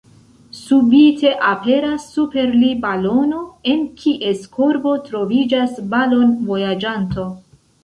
Subite aperas super li balono, en kies korbo troviĝas balon-vojaĝanto.